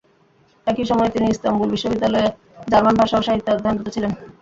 একই সময়ে তিনি ইস্তাম্বুল বিশ্ববিদ্যালয়ে জার্মান ভাষা ও সাহিত্যে অধ্যয়নরত ছিলেন।